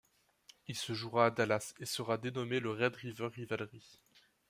Il se jouera à Dallas et sera dénommé le Red River Rivalry.